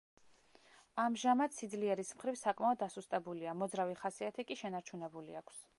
ამჟამად სიძლიერის მხრივ საკმაოდ დასუსტებულია, მოძრავი ხასიათი კი შენარჩუნებული აქვს.